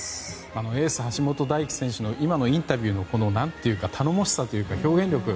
エース、橋本大輝選手の今のインタビューの頼もしさというか表現力。